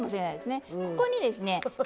ここにですね